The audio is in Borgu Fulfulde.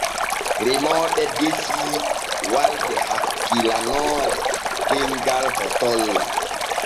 Remooɓe desi walde hakkilanoore demgal hottollo.